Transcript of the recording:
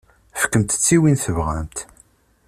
Fkemt-tt i win i tebɣamt.